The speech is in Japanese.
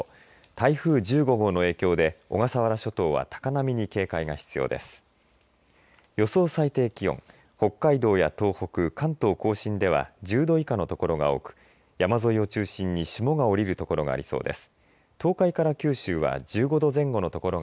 台風１５号の影響で小笠原諸島は高波に警戒が必要です。